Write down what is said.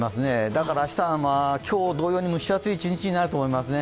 だから明日は今日同様に蒸し暑い１日になると思います。